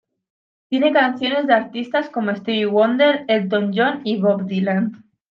Tiene canciones de artistas como Stevie Wonder, Elton John y Bob Dylan.